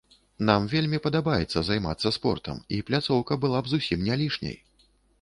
Нам вельмі падабаецца займацца спортам, і пляцоўка была б зусім не лішняй.